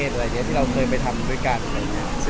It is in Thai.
มันทำให้ความรู้สึกขึ้นมาต่างประอยุ่